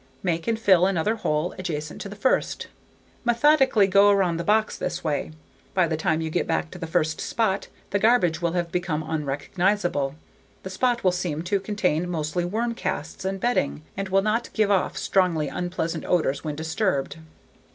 Make and fill another hole adjacent to the first. Methodically go around the box this way. By the time you get back to the first spot the garbage will have become unrecognizable, the spot will seem to contain mostly worm casts and bedding, and will not give off strongly unpleasant odors when disturbed.